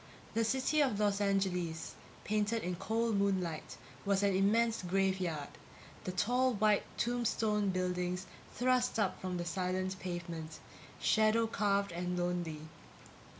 The city of Los Angeles, painted in cold moonlight, was an immense graveyard; the tall white tombstone buildings thrust up from the silent pavement, shadow carved and lonely.